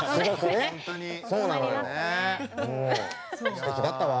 すてきだったわ。